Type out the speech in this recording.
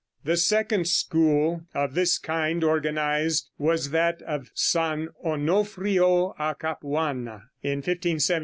The second school of this kind organized was that of San Onofrio a Capuana, in 1576.